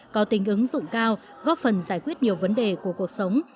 có tính ứng dụng cao góp phần giải quyết nhiều vấn đề của cuộc sống